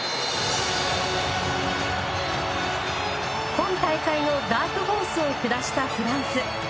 今大会のダークホースを下したフランス。